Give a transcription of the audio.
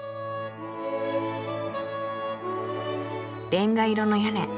レンガ色の屋根。